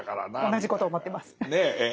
同じこと思ってます。